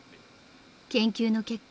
［研究の結果